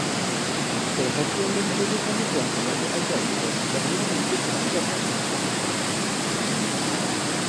Perhatian dan kerjasama Puan amat dihargai dan didahului dengan ucapan terima kasih.